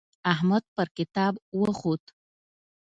احمد پر کتاب وخوت.